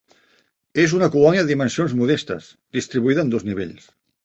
És una colònia de dimensions modestes, distribuïda en dos nivells.